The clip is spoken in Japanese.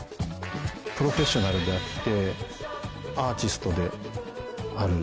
プロフェッショナルであってアーティストである。